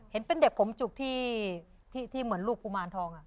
เห็นเป็นเด็กผมจุกที่เหมือนลูกกุมารทอง